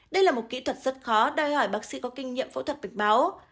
đây là một kỹ thuật rất khó đòi hỏi bác sĩ có kinh nghiệm phẫu thuật bệnh máu